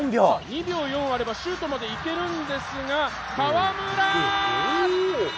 ２秒４あれば、シュートまでいけるんですが、河村！